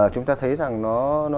chúng ta thấy rằng nó